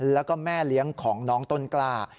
แล้วก็แม่เลี้ยงของน้องต้นกล้า